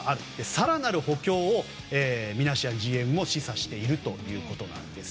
更なる補強をミナシアンＧＭも示唆しているということです。